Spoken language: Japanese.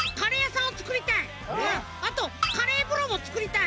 あとカレーぶろもつくりたい！